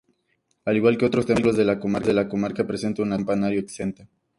Al igual que otros templos de la comarca presenta una torre-campanario exenta.